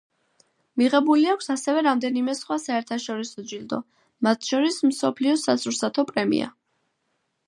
მიღებული აქვს ასევე რამდენიმე სხვა საერთაშორისო ჯილდო, მათ შორის მსოფლიო სასურსათო პრემია.